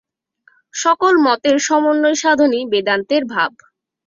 সকল মতের সমন্বয়-সাধনই বেদান্তের ভাব।